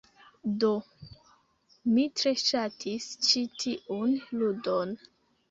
Do. Mi tre ŝatis ĉi tiun ludon.